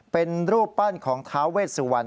เป็นรูปปั้นของท้าเวชสุวรรณ